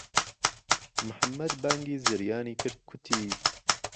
محەممەد بانگی زریانی کرد کوتی